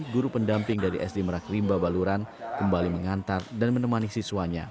guru pendamping dari sd merak rimba baluran kembali mengantar dan menemani siswanya